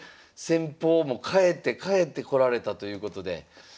戦法も変えて変えてこられたということで。